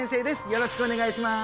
よろしくお願いします